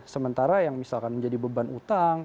sementara yang misalkan menjadi beban utang